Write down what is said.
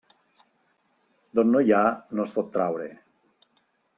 D'on no hi ha, no es pot traure.